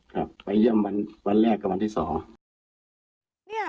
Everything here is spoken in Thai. ครับไปเยี่ยมวันวันแรกกับวันที่สอง